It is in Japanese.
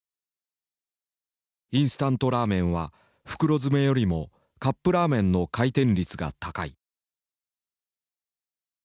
インスタントラーメンは袋詰めよりもカップラーメンの回転率が高い。